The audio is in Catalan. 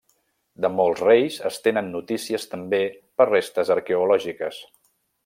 De molts reis, es tenen notícies també per restes arqueològiques.